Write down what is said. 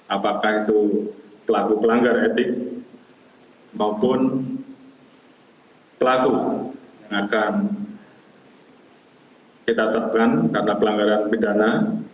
apakah itu pelaku pelanggar etik maupun pelaku yang akan kita tetapkan karena pelanggaran pidana